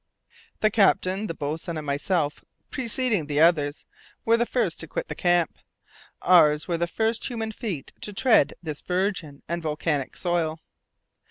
The captain, the boatswain, and myself, preceding the others, were the first to quit the camp; ours were the first human feet to tread this virgin and volcanic soil.